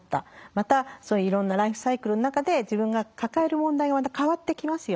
またそういういろんなライフサイクルの中で自分が抱える問題が変わってきますよね。